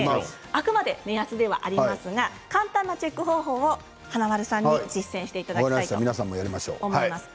あくまで目安ではありますが簡単なチェック法を華丸さんに実践していただきます。